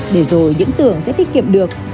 để rồi những tưởng sẽ tiết kiệm được